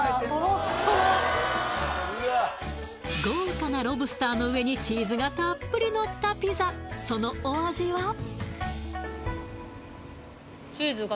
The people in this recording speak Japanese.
豪華なロブスターの上にチーズがたっぷりのったピザそのお味は？